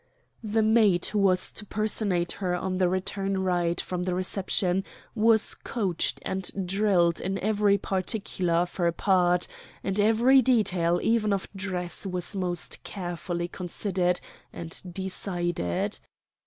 The maid who was to personate her on the return ride from the reception was coached and drilled in every particular of her part; and every detail even of dress was most carefully considered and decided.